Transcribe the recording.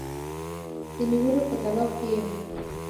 د نیولو په تلاښ کې یم.